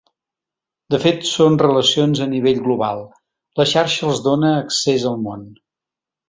De fet, son relacions a nivell global, la xarxa els dona accés al mon.